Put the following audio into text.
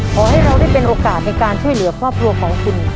ขอให้เราได้เป็นโอกาสในการช่วยเหลือครอบครัวของคุณ